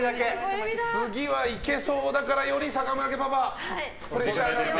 次は行けそうだからより坂村家パパプレッシャーが。